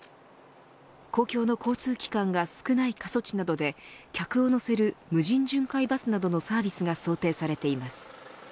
公共の交通機関が少ない過疎地などで客を乗せる無人巡回バスなどのサービスが想定されています。